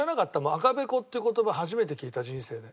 赤べこっていう言葉初めて聞いた人生で。